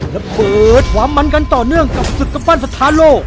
และเปิดความมันกันต่อเนื่องกับศึกกำปั้นสถานโลก